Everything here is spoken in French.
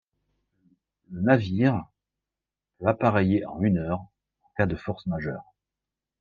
Le navire peut appareiller en une heure en cas de force majeure.